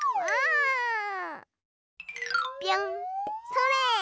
それ！